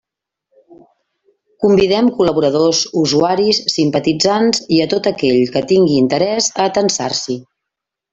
Convidem col·laboradors, usuaris, simpatitzants i a tot aquell que tingui interès a atansar-s'hi.